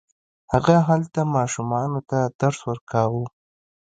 هغه هلته ماشومانو ته درس ورکاوه.